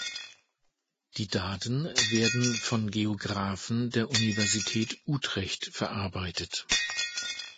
Die Daten werden von Geographen der Universität Utrecht verarbeitet.